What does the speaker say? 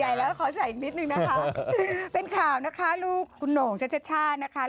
ใหญ่แล้วขอใส่อีกนิดนึงนะคะเป็นข่าวนะคะลูกคุณโหน่งชัชช่านะคะ